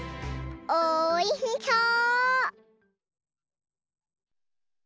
おいしそう！